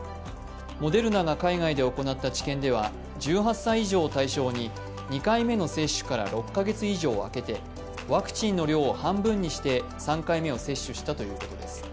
モデルナが海外で行った治験では１８歳以上を対象に２回目の接種から６カ月以上空けてワクチンの量を半分にして３回目を接種したということです。